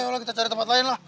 ayolah kita cari tempat lain lah